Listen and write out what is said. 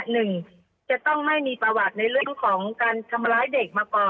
หนึ่งจะต้องไม่มีประวัติในเรื่องของการทำร้ายเด็กมาก่อน